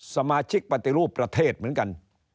สมาชิกปฏิรูปประเทศเหมือนกัน